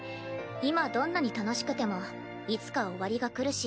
今どんなに楽しくてもいつか終わりが来るし。